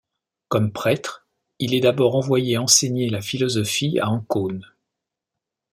Comme prêtre il est d'abord envoyé enseigner la philosophie à Ancône.